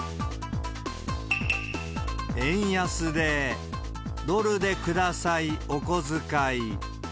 円安で、ドルで下さい、お小遣い。